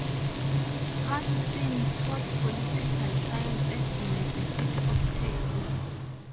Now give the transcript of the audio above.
Houston taught political science at University of Texas.